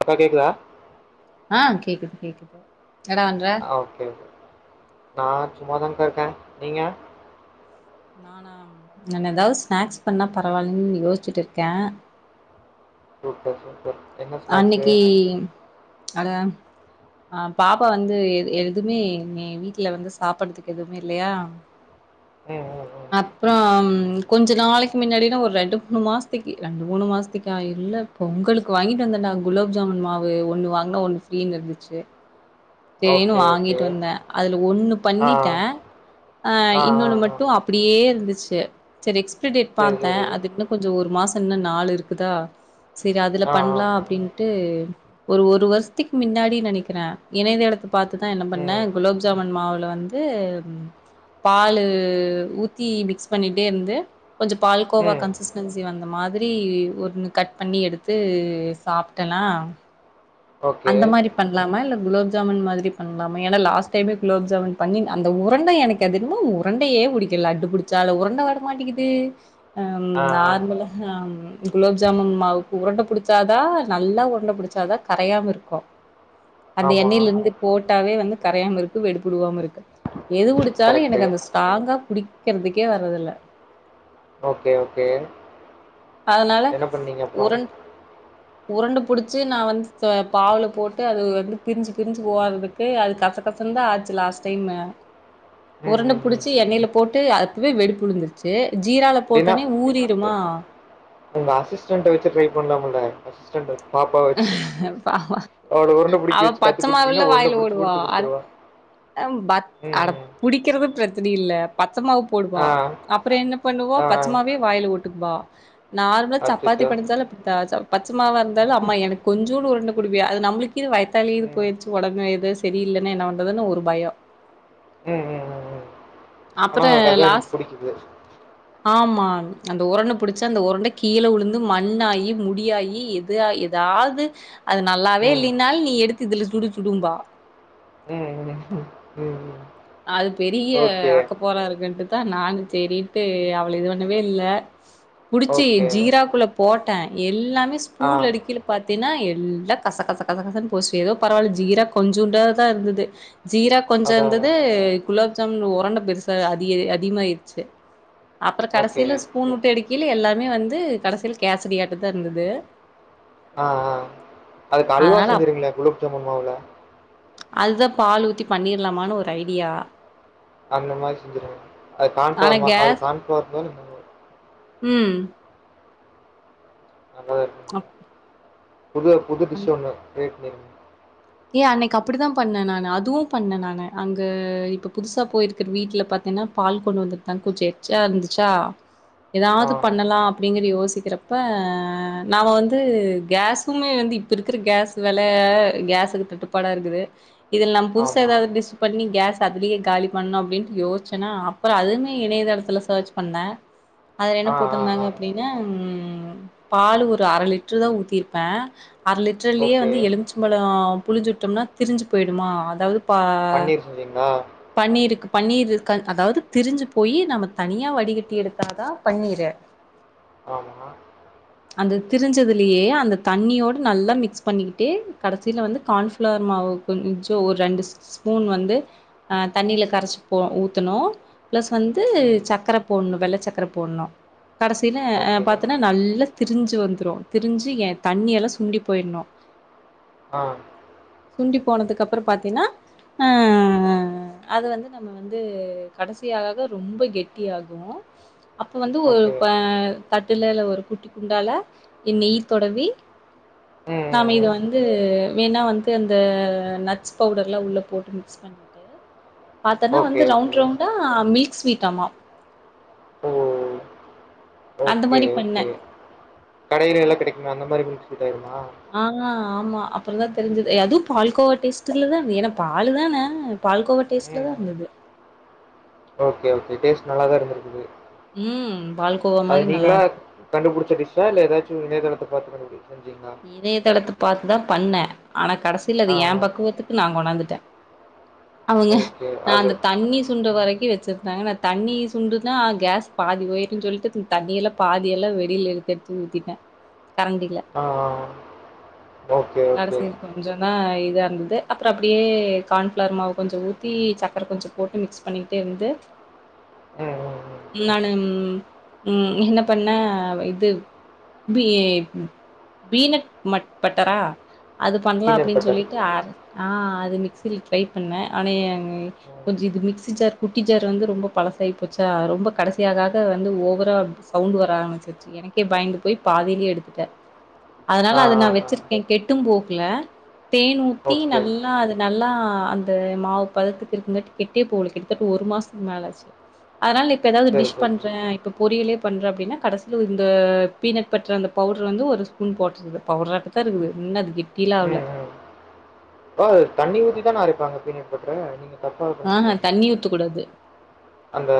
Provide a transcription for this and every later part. இப்ப கேக்குதா. ஆஹ் கேக்கிது கேக்கிது. ஓகே கே நா சும்மாதாக்கா இருக்கே நீங்க. நானா நா ஏதாவது ஸ்நாக்ஸ் பண்ணா பரவாயில்ன்னு யோசிச்சுட்டு இருக்கே. சூப்பர் சூப்பர் என்ன ஸ்நாக்ஸு அன்னைக்கீ அ ஆஹ் பாப்பா வந்து எது எதுமே நீ வீட்ல வந்து சாப்பட்றதுக்கு எதுமே இல்லையா ம் ம் ம் அப்றோ ம் கொஞ்ச நாளக்கி மின்னேடின்னா ஒரு ரெண்டு மூண் மாஸ்த்திக்கு ரெண்டு மூணு மாஸ்த்திக்கா இல்ல பொங்கலுக்கு வாங்கி ட்ந்தடா குலோப் ஜாமுன் மாவு ஒ ன்னு வாங்குனா ஒன்னு ஃப்ரீனு இர்ந்துச்சு தெரினு ஓகே ஓகே வாங்கிட் வந்த அதுல ஒன்னு ஆ பண்ணிட்டஅ ஆ ஆ இன்னொன்னு ஆ மட்டு அப்புடியே இருந்துச்சு சே செரி எக்ஸ் ப்ரிடேட் சரி பாத்த சரி அது இன்ன கொஞ்ச ஒரு மாஸ் துன்ன நாள் இர்க்குதா செரி அதுல ஆ ஆ பண்ணலா ஆ அப்டின்ட்டு ஒரு ஒரு வர்ஸ்த்திக் மின்னாடி நேனைக்றே ஏன்னா இந்த எடத்து பாத்துதா என்ன பண்ண ம் குலோப் ஜாமன் மாவுல வந் து பாலு ஊத்தி மிக்ஸ் பண்ணிட்டே இர்ந்து கொஞ்ச பால்கோவா ம் கன்சிஸ்டன்சி வந்த மாத் துரி ஒன்னு கட் பண்ணி எடுத்து சாப்ட்டலா ஓகே அந்த மாரி பண்லாமா இல்ல குலோப் ஜாமன் மாதுரி பண்லாம எனா லாஸ்ட் டைமே குலோப் ஜாமன் பண்ணி அந்த உரண்டை எனக் அதிகமா உரண்டயே புடிக்க லட்டு புடுச்சாலு உரண்ட வர மாட்டிங்கிது அம் ஆ ஆ நார்மலா ஹம் குலோப் ஜாமுன் மாவுக்கு உரண்ட புடுச்சாதா நல்லா உரண்ட புடிச்சாதா கரயாமருக் கோ அந்த ஆமாம் எண்ணைலிர்ந்து போட்டாவே வந்து கரயாம இருக்கு வெடிப்புளுவாம இருக்க எது புடுச்சாலு கரெக்டு எனக்கு அந்த ஸ்ட்ங்கா புடி க்கெற்துக்கே வர்ரதுல்ல ஓகே ஓகே அதனால என்ன பண்ணீங்க அப்புறம் உரண் உரண்டு புடுச்சு நா வந்து த பாவுல போட்டு அது வந்து பிர்ஞ்சு பிர்ஞ்சு வோற்றதுக்கு அது கச கசன்தா ஆச்சு லாஸ்ட் டைம்மு ம் உரண்ட ம் ம் புடுச்சி எண்ணைல போட்டு அதுப்வே வெடிப்பு உழுந்துர்ச்சே ஜீரால போட்டோனே ஊறிறுமா ஒங்க அசிஸ்டன்ட்ட வச்சு ட்ரை பன்லாமுல்ல அசிஸ்டன்ட் வச் பாபா உருண்டை பிடிக்க அவ வச்சு பச்ச கற்றுக் மாவிள்ள கொடுத்துட்டீங்கன்னா உருண்டை வாயில பிடிச்சி போடுவா பிடிச்சி அத கொடுத்துருவா அம் பத் ம் அடப் ம் புடிக்கிறது பிரச் துரி இல்ல‌ பத் பச்ச மாவு போடுவா ஆ அப்புற என்ன பண்ணுவோ ஆ பச்சமாவே வாயில வுட் ட்டும்பா. நார்மலா சப்பாத்தி அச்சோ பெனஞ்ஜாலே அப்படித்தா சப் பச்சமாவா இருந்தாலு அப் ஆமா எனக் கொஞ்சோ தூலு உருண்ட குடுவ்யா அது நம்மளுக் இது வய்த்தாலியு ம். இது போய்டுச்சு உடனே இது தெரில்லன்னா என்ன பன்ரதுனு ஒரு பயோ உம் உம் உம் உம் ஆனா அப்புற அததா எனக் லாஸ் புடிக்குது. அம் அந்த உரண்ட புடிச்சி அந்த உரண்ட கீழ உழுந்து மண்ணாயி முடியாயி இது ஆய் எதாவ்து அது நல்லாவே ம். இல்லீனாலு நீ எடுத் இதுல சுடு சுடும்பா. ம், ம், ம், ம். அது பெரிய ஓகே. அக்கப்போரா இருக்குன்ட்டு தா நானு சேரின்ட்டு அவள இது பண்ணவே இல்ல புடிச்சி ஓகே. ஜீராக்குள்ள போட் டே எல் எல்லாமே ஆ. ஸ்பூன்ல எடிக்கில பாத்தீனா எ ம் எல்லா கச கச கச கசனு போச்சு எதோ பரவால ஜீர கொஞ்சூன்டாதா இருந்தது. ஜீரா கொஞ்ச அதான், இருந்தது அதான். ஏ குலோப் ஜாமு உரண்ட பெருசா அதியே அதிகமாய்ர்ச்சு. அப்ற ஓகே. கடசில ஸ்பூன் உட்டு எடுக்கில எல்லார் மே வந்து கடசில கேசரி யாட்டதா இர்ந்துது ஆஹ் ஆஹ் அதுக்கு அல்வா அப் செஞ்சிருக்ங்ளே குழு [unintelligible] அதுதா பால் ஊத்தி பண்ணிரலாமானு ஒரு ஐடியா அந்த மாரி செஞ்சிருங்க அது ஆனா கான்ஃப்ளவர் மா அது கான்ஃப்ளவர் பதிலு இன்னொரு உம் ஆமா இருக்குதுக்கா அப் புது புது அந் டிஷ் ஒன்னு கிரியேட் [unintelligible] ஏ அன்னைக்கு அப்டித்தா பண்ண நானு அதுவு பண்ண நானு அங்க இப்ப புதுசா போயிருக்குற வீட்ல பாத்தீன்னா பால் கொண்டு வந்ததுதா கொஞ்சோ எச்சா இருந்துச்சா ஆ. ஏதாது பண்ணலா அப்டிங்கற யோசி கீக்கறப்ப நாம வந்து கேஸுமே வந்து இப்ப இருக்ற கேஸ் வேல கேஸ் [unintelligible] தட்டுப்பாடா இருக்குது இதுல நம் புதுசு ஆமா. ஏதாது டிஸ் பண்ணி கேஸ் அதுலே காலி பன்னோ அப்டின்னு யோஷ்சன்னா அப்றோ அதுமே இணையதளத்துல சேர்ச் பன்ன அதுல என்ன ஆ, ஆ, போட்டுருந்தாங்க ஆ. அப்டின்னா உம் பாலு ஒரு அர லிட்டர் தா ஊத்தி இருப்ப அர லிட்டர் லிட்டர்லையே ஓகே. வந்து எலுமிச்ச பழோ புளிஞ்சுட்டோம்னா திரிஞ்சு போயிடுமா அதாது பா பன்னீர் செஞ்சீங்களா? பண்ணிருக்கு பண்ணீர் [unintelligible] அதாவது திரிஞ்சு போயி நம்ம தனியா வடிகட்டி எடுத்தாதா பண்ணீரு ஆமா. அந்த திரிஞ்சதுலியே அந்த தண்ணியோடு நல்லா மிக்ஸ் பண்ணிகிட்டே கடசில வந்து கான்ஃபிளவர் மாவு கொஞ்சோ ஒரு ரெண்டு ஸ்பூன் வந்து அஹ் தண்ணில கரச்சி போ ஊத்தணு பிளஸ் வந்து ம். சக்கர போட்ணு வெள்ள சக்கர போட்ணு கடசில அஹ் ஓகே. பாத்தன்னா நல்லா திரிஞ்சு வந்துரு திரிஞ்சு என் தண்ணி எல்லா சுண்டி போய்ட்ணு ஆ. சுண்டி போனதுக்கு அப்றோ பாத்தீன்னா அஹ் அது வந்து நம்ம வந்து கடைசி ஆக ஆக ரொம்ப கெட்டியாகூ அப்போ வந்து ஒரு ஓகே. தட்டுல இல்ல ஒரு குட்டி குண்டால நெய்தொடவி ம், ம், நாம இத ம். வந்து வேணா வந்து து அந்த நட்ஸ் பவுடர்ல்லா உள்ள போட்டு மிக்ஸ் பண்ணிட்டு பாத்தன்னா வந்து ஓகே, ஓகே. ரவுண்ட் ரவுண்டா மில்க் ஸ்வீட்டாமா ஓ! அந்த ஓகே மாரி ஓகே பண்ணே கடைலேலா கெடைக்குமே அந்த மாதிரி மில்க் ஷே ஆஹ் ஆமா அப்றோதா தெரிஞ்சது ஏ அதுவூ பால்கோவா டேஸ்டில் தானே ஏன்னா பாலு தான பால்கோவ டேஸ்ட்ல ம், தான் ம். இருந்திது நல்ல தா இருந்திருக்குது உம் பால்கோவா மாரி நல்லா இருக்குது ச இல ஏதாச்சூ இனணையதளத்த பாத்து கண்டு இதையதளத்து பாத்து தா பண்ணே ஆனா கடைசில அது ஆ, யே ஆ. பக்குவத்துக்கு நா கொணாந்துட்டே அவங்க ஓகே. நா அது அந்த தண்ணி சுண்டு ம். வரைக்கு வச்சிருந்தாங்க ந தண்ணி சுண்டுனா கேஸ் பாதி போயிடும்ன்னு சொல்லிட்டு தண்ணி எல்லாம் பாதி எல்லாம் வெளில எடுத்து எடுத்து ஊத்திட்டே கரண்டி ல்ல ஆ, ஆ. Okay, okay. கடைசி கொஞ்சொனா இதா இருந்தத் த்து அப்புற அப்டியே கான்ஃளார் மாவு கொஞ்சொ ஊத்தி சக்கர கொஞ்சொ போட்டு மிக்ஸ் பண்ணிக்கிட்டே இருந்து உம் உம் உம் நானு உம் என்ன பண்ணே இது பி பீனட் மட் பட்டரா அது பண்ணலாம் பீனட் அப்டின்னு பட்டர். சொல்லிட்டு ஆர் ஆஹ் அது மிக்சில் ட்ரை பண்ணே ஆனேங் ம். கொஞ்சொ இது மிக்சி ஜார் குட்டி ஜார் வந்து ரொம்ப பழசாயி போச்சா ரொம்ப கடைசியாக வந்து ஓவரா சவுண்ட் வர ஆரம்பிச்சிருச்சி எனக்கே பயந்து போய் பாதையிலேயே எடுத்துட்டே அதனால ஆ, அது ஆ, நா ஆ. வெச்சிருக்கே கேட் மட்டும் போக்ல தேன் ஊத்தி ஓகே. நல்லா அது நல்லா அந்த மாவு பதத்துக்கு இருக்குங்கட்டி கெட்டி கிட்டத்தட்ட ஒரு மாசத்துக்கு மேலாச்சு அதனால இப்ப ஏதாது சரி, டிஷ் சரி, சரி. பண்றன் இப்ப பொரியலே பண்ற அப்டின்னா கடைசில இந்த பீனட் பட்டரு அந்த பவுடர் வந்து ஒரு ஸ்பூ குண் போட்டுது பவரா தா இருக்குது முன்ன அதுக் உம் உம் அ தண்ணி ஊத்திதா நா அர வாங்க பீனட் பட்டரு நீங்க தப்பா ஆஹா பண்டிங்க தண்ணி ஊத்தக்கூடாது அந்த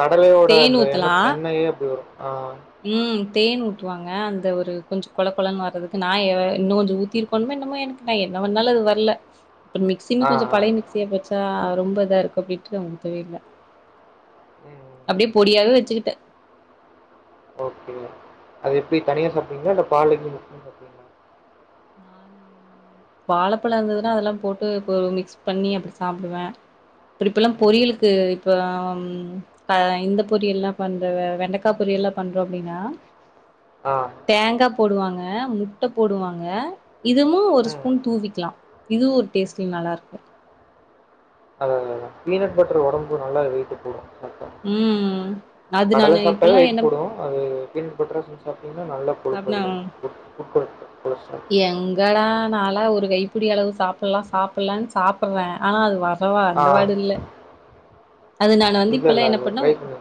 கடலையோட தேன் இந்த எண்ணோ ஊத்தலா எண்ணெயே எப்டி வரு ஆஹ் ம் தேன் ஊத்துவாங்க அந்த ஒரு கொஞ்சோ கொழ கொழன்னு வர்றதுக்கு நா ஏஹ் இன்னும் கொஞ்சோ ஊத்தி இருக்கணுமோ என்னமோ எனக்கு நா என்ன பண்ணாலும் அது வர்ல மிக்சினு ஆ, கொஞ்சொ ஆ. பழைய மிக்சியா போச்சா அது ரொம் போதா இருக்கு அப்டின்டு அமுத்தவே இல்ல ம். அப்டியே பொடியாவே வச்சுக்கிட்டே ஓகே அது எப்டி தனியா சாப்ட்டுவிங்களா இல்ல பால்லு [unintelligible] மிக்ஸ் பண்ணி சாப்டுவிங்களா நான் வாழப்பழ இருந்ததுன்னா அதெல்லா போட்டு இப்போ ஒரு மிக்ஸ் பண்ணி அப்டி சாப்டுவே இப்பட் இப்பல்லா ம். பொரியலுக்கு இப்ப ஆஹ்ம் அஹ் இந்த பொரியல் எல்லா பண்ற வெண்டைக்கா பொரியல்லா பண்றோ அப்டின்னா ஆ. தேங்கா போடுவாங்க முட்ட போடுவாங்க ய இதுமோ ஒரு ம். ஸ்பூன் தூவிக்கலா இதுவு ஒரு டேஸ்ட்டிங் நல்லா இருக்கு அத அதா பீனட் பட்டர் ஒடம்புக்கு நல்லா வெயிட்டு போடு சாப்ட்டா ம் அது கடல நானு சாப்ட்டாவே இப்பல்லாம் வெயிட் என்ன போடும் அது பின் குற்ற [unintelligible] இன்னா நல்லா சாப்னா [inaudible] எங்கடா நாளா ஒர் கைப்புடி அளவு சாப்ட்லா சாப்ட்லானு சாப்ட்றே ஆனா அது வர அப்பவு ஆ. அந்த வாடு இல்ல அது நான் வந்து இல்ல இல்ல இப்பல்லா என்ன இல்ல டிரை பண்ண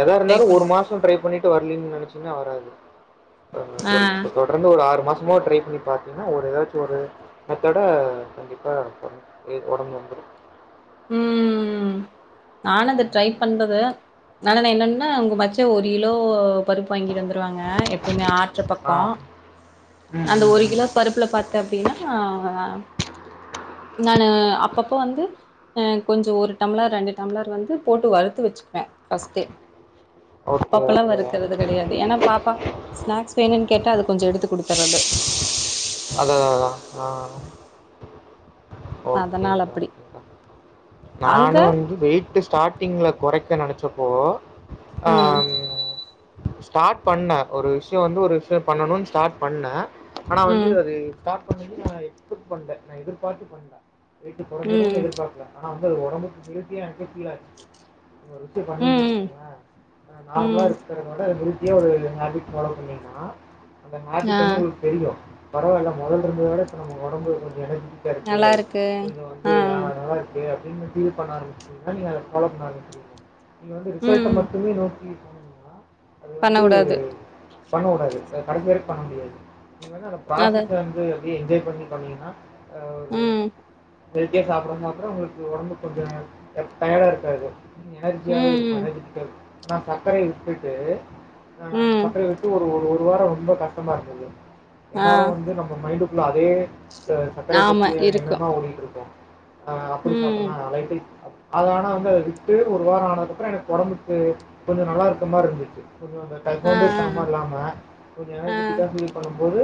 எத ட்ரை இருந்தாலும் பண் ஒரு மாசம் டிரை பண்ணிட்டு வரலீங்கு நெனைச்சுன்னா வராது ஆ ஒரு தொடர்ந்து ஒரு ஆறு மாசம் சும்மா ட்ரை பண்ணி பாத்தீங்கன்னா ஒரு ஏதாச்சும் ஒரு மெத்தட கண்டிப்பா [unintelligible] ஒடம்பு வந்துடும் உம்ம்ம் நானு அந்த ட்ரை பண்ணது னாலென்ன என்னன்னா உங்க மச்ச ஒரு கிலோ பருப்பு வாங்கிட்டு வந்துருவாங்க எப்பவுமே ஆட் ச்ச ஆ பக்கோ ம் அந்த ம் ஒரு ம் கிலோ பருப்புல பாத் த்து அப்படின்னா நானு அப்பப்போ வந்து கொஞ்சோ ஒரு டம்ளர் ரெண்டு டம்ளர் வந்து போட்டு வறுத்து வச்சுப்பேன் ஃபர்ஸ்ட்டே ஓகே ஓகே க்குறது கெடையாது ஏன்னா பாப்பா ஸ்நாக்ஸ் வேணும்னு கேட்டா அது கொஞ்சோ எடுத்து கொடுத்துறது அதாது அதான் ஆஹ அதனால அப்படி ஓகேக்கா நானும் வந்து வெயிட் ஸ்டார்ட்டிங்ல கொறைக் க்க நினைச்சுப்போ ஆ ஆ ம் ஸ்டார்ட் பண்ணேன் ஒரு விஷயம் வந்து ஒரு விஷயம் பண்ணணும்னு ஸ்டார்ட் பண்ணே ஆனா வந்து ம் அது ஸ்டார்ட் பண்ணது நான் எக்ஸ்பர்ட் பண்ணல நான் எதிர்பார்த்து பண்ணல வெய்ட்டு குறசிரும்னு ம் எதிர்பாக்கல ஆனா வந்து ஒரு ஒடம்புக்கு ஹெல்த்தியா [unintelligible] ஒரு விஷயம் பண்ணீங்க ம் வச்சுகுங்களே நார்மலாக ம் இருக்கிறதனால மகிழ்ச்சியா ஒரு ஹெல்த்தியாக ஃபாலோ பண்ணீங்கன்னா அந்த மாற்று ஆ பண்ணு உங்களுக்கு தெரியும் பரவாயில்ல மொதல்ல இருந்தத விட இப்ப நம்ம ஒடம்பு கொஞ்சோ எடைகி [unintelligible] இருக்கு கொஞ்சோ வந்து ஆ நல்லா க்கு அப்படின்னு ஃபீல் பண்ண ஆரம்பச்சுருவீங்க நீங்க எஸ்ட்ராவா பண்ண ஆரம்பிச்சுருவீங்க நீங்க வந்து ரிசல்ட்ட ம் மட்டுமே நோக்கி போனீங்கன்னா, அது பண்ண வந்து கூடாது பண்ண கூடாது ஏன் கடைசிவரைக் பண்ண முடியாது நீங்கவென அந்த அது பாசத்துல வந்து அப்டியே என்ஜாய் பண்ணி பண்ணீங்கன்னா தா ஒரு ம் ஹெல்தியா சாப்புறம்மா அப்புறோ உங்களுக்கு ஒடம்பு கொஞ்சோ டய டயர்டா இருக்காது என் எனர்ஜியாவே ம் இருக்கும் ம் எனர்ஜெடிக்கா இருக் நான் சக்கரையே விட்டுட்டு ஆஹ ம் சக்கரைய விட்டு ஒரு ஒரு ஒரு ஒரு வாரோ ரொம்ப கஷ்டமா இருக்குது ஆ எல்லாரு‌ வந்து நம்ம மைண்ட லா அதே அது சக்கரை ஆமா பத்தியே இருக்கு எண்ணந்தா ஓடிட்டு இருக்கு ஆ அப்படி ம் சாப்பிட்லா அலைகள் அத ஆனா வந்து அதை விட்டு ஒரு வாரோ ஆனதுக் அப்றோ எனக்கு ஒடம்புக்கு கொஞ்சோ நல்லா இருக்க மாரி இருந்துச்சு கொஞ்சோ அது ஆ ஆ சோம்பேறித்தனமா இல்லாம கொஞ்சோ ஆ எனஜிட்டிக்காக சீ பண்ணும் போது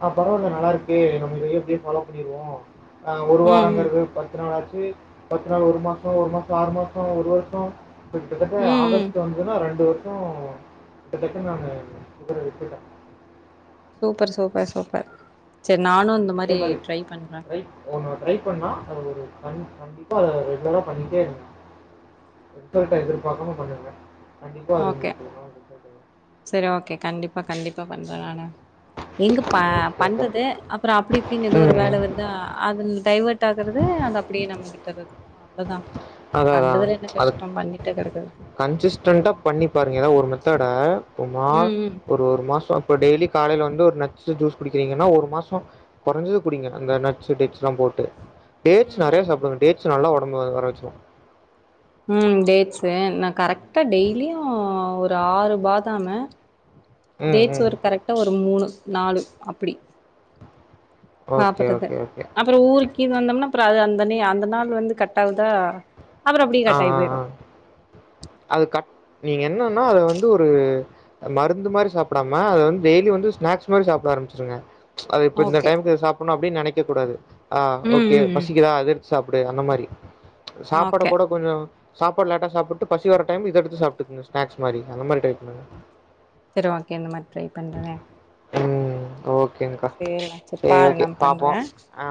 ஆ பரவால்ல நல்லா இருக்கு நம்ம இத இப்டியே ஃபாலோ பண்ணிருவோ ஆ ஒரு ம் ம் வாரோங்கிறது பத் ள் ஆச்சு பத்து நாள் ஒரு மாசோ ஒரு மாசோ ஆறு மாசோ ஒரு வருஷோ கிட்டத்தட்ட ம் ம் ஆகஸ்ட் வந்துசுன்னா ரெண்டு வ க்கு கிட்டத்தட்ட நம்ம பிப்ரவரி போய்ட்டோ சூப்பர் சூப்பர் சூப்பர் ச்செல் நீங்க அதே மாரி ரை ஒன்னு ட்ரை பண்லா அது ஒரு ஃபன் ஃபன் கண்டிப்பா ரெகுலரா பண்ணிட்டே இருக்குனு ரித்தல்ட்ட எதிர்பாக்காம பண்ணுங்க கண்டிப்பா அது [inaudible] ஓகே சரி ஓகே கண்டிப்பா கண்டிப்பா பண்ற நானு ம். இங்கு பா ஓகேக்கா. பண்றது அப்றோ அப்டி இப்டின்னு எதோ ஒரு ம். வேல வருதா அதுன் டைவட் ஆகுறதே அது அப்டியே நம்மகு தரது அவ்ளதா அதா அதா அது கெடக்குது கன்சிஸ்டன்ட்டா பண்ணி பாருங்க ஏனா ஒரு மெத்தட உமால் ம் ம் ஒரு ஒரு மாசோ பு டெய்லி காலைய்ல வந்து ஒரு நட்ஸு ஜூஸ் குடிக்கிறீங்கன்னா ஒரு மாசோ கொறஞ்சது குடிங்க அந்த நட்ஸு டெட்ஸ்லா போட்டு ம் டேட்ஸ் நறையா ம் சாப்டுவு டேட்ஸ் நல்லா ஒட் ரொம்ப வர வச்சுர்வோ ம் டேட்ஸு நா கரக்ட்டா டெய்லியு ஒரு ஆறு பாதாமு ம், டேட்ஸ் ம். ஒர் கரக்ட்டா ஒரு மூணு நாலு அப்புடி ஓகே, சாப்பரது ஓகே, ஓகே. அப்பறோ ஊருக்கி வந்தோம்னா த்ர அது அந்த நீ அந்த நாள் வந்து கட்டாவுதா ஆ ஆ ஆ அது கட் நீங்க என்னன்னா அது வந் வந்து ஒரு மருந்து மாரி சாப்டாம அத வந்து டெய்லி வந்து ஸ்நக்ஸ் மாரி சாப்ட ஆரம்பிச்சிருங்க அது இப்ப இந்த ஓகே டைம்க்கு சாப்ட்ணு அப்டின் நனைக் க்க கூடாது ஆ ம் ஓகே ம் ம் பசிக்குதா அது சாப்டு அந்த மாரி சாப் கூட ஓகே கூட கொஞ்சோ சாப்பாடு லட்டா சாப்பிட்டு பசி வர டைம் இதடுத்து சாப்டுகங்க ஸ்நக்ஸ் மாரி அந்த மாரி ட்ரை பண்ணுங்க சரி ஓகே இந்த மாரி ட்ரை பண்றன ம். ம் ஓகேங்க்கா. சேரி டா சேரி சரி பாரு நா ஓகே. பண்றே பாப்போம். ஆ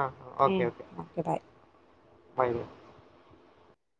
ம் ஓகே பாய் பாய்க